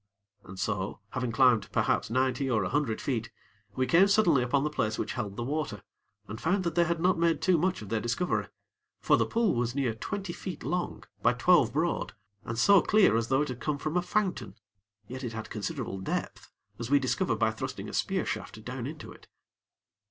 And so, having climbed perhaps ninety or a hundred feet, we came suddenly upon the place which held the water, and found that they had not made too much of their discovery; for the pool was near twenty feet long by twelve broad, and so clear as though it had come from a fountain; yet it had considerable depth, as we discovered by thrusting a spear shaft down into it.